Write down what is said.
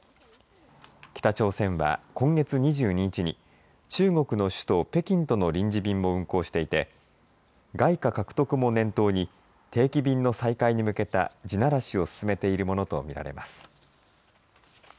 北朝鮮は今月２２日に中国の首都・北京との臨時便も運航していて外貨獲得も念頭に定期便の再開に向けた地ならしを進めているものと見られます。